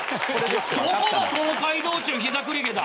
どこが『東海道中膝栗毛』だ！